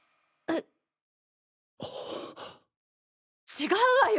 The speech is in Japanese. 違うわよ！